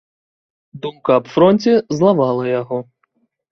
Думка аб фронце злавала яго.